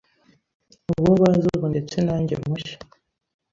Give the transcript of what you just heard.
uwo bazi ubu ndetse na njye mushya.